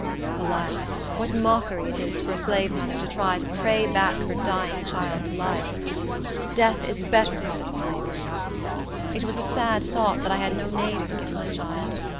Alas, what mockery it is for a slave mother to try to pray back her dying child to life! Death is better than slavery. It was a sad thought that I had no name to give my child.